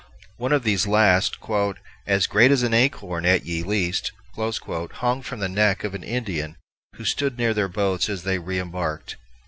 One of these last, "as great as an Acorne at ye least," hung from the neck of an Indian who stood near their boats as they re embarked.